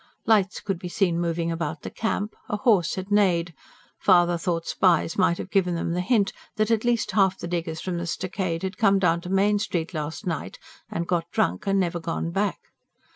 Lights could be seen moving about the Camp, a horse had neighed father thought spies might have given them the hint that at least half the diggers from the Stockade had come down to Main Street last night, and got drunk, and never gone back.